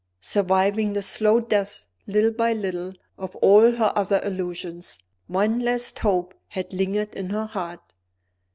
Surviving the slow death little by little of all her other illusions, one last hope had lingered in her heart.